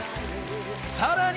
さらに！